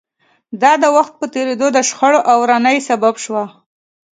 دا د وخت په تېرېدو د شخړو او ورانۍ سبب شوه